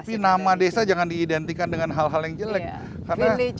tapi nama desa jangan diidentikan dengan hal hal yang jelek